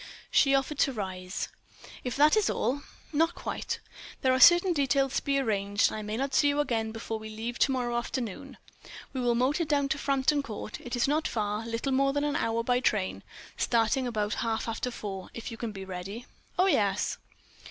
She offered to rise. "If that is all ..." "Not quite. There are certain details to be arranged; and I may not see you again before we leave to morrow afternoon. We will motor down to Frampton Court—it's not far, little more than an hour by train—starting about half after four, if you can be ready." "Oh, yes."